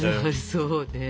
そうね。